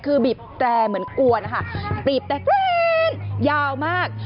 คือบีบแตรเหมือนกวนค่ะบีบแตรเตือนยาวมาก